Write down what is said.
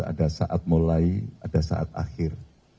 ada saat mulai ada saat akhir